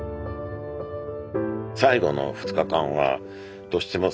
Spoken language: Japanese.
最後の２日間はどうしても